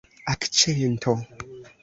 akĉento